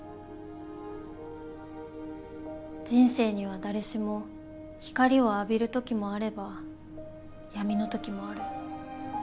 人生には誰しも光を浴びる時もあれば闇の時もある。